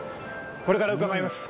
これから伺います。